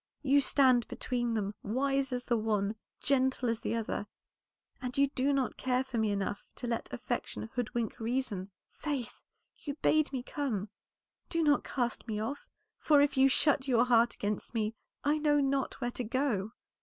You stand between them, wise as the one, gentle as the other, and you do not care for me enough to let affection hoodwink reason. Faith, you bade me come; do not cast me off, for if you shut your heart against me I know not where to go."